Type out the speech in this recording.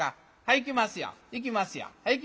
いきますよいきますよ。